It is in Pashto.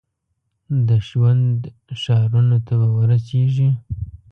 د ژوند ښارونو ته به ورسیږي ؟